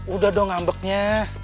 udah dong ngambeknya